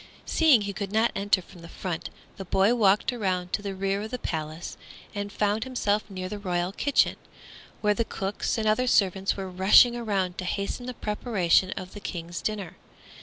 Seeing he could not enter from the front, the boy walked around to the rear of the palace and found himself near the royal kitchen, where the cooks and other servants were rushing around to hasten the preparation of the King's dinner.